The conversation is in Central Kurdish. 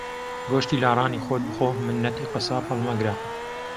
گۆشتی لاڕانی خۆت بخۆ مننەتی قەساب ھەڵمەگرە